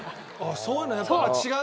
そういうのやっぱり違う？